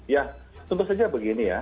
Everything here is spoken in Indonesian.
ya tentu saja begini ya